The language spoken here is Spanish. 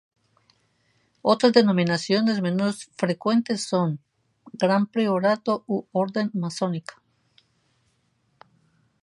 Otras denominaciones menos frecuentes son Gran Priorato u Orden Masónica.